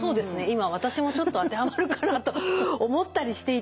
今私もちょっと当てはまるかなと思ったりしていたんです。